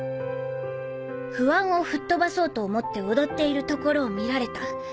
「不安を吹っ飛ばそうと思って踊っているところを見られた。